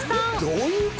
どういう事？